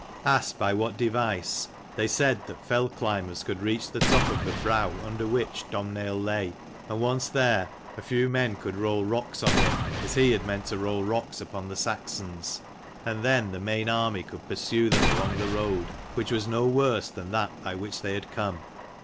Asked by what device, they said that fell climbers could reach the top of the brow under which Domhnaill lay ; and once there, a few men could roll rocks on him as he had meant to roll rocks upon the Saxons: and then the main army could pursue them along the road, which was no worse than that by which they had come.